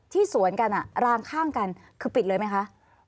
สวนกันรางข้างกันคือปิดเลยไหมคะ